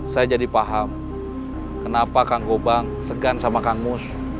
saya jadi paham kenapa kang gobang segan sama kang mus